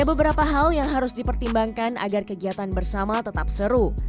ada beberapa hal yang harus dipertimbangkan agar kegiatan bersama tetap seru